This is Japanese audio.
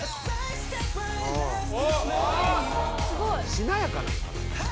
「しなやかなのかな」